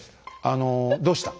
あのどうした？